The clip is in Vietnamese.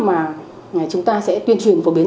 mà chúng ta sẽ tuyên truyền phổ biến